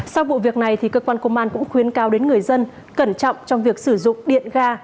sau vụ việc này cơ quan công an cũng khuyến cao đến người dân cẩn trọng trong việc sử dụng điện ga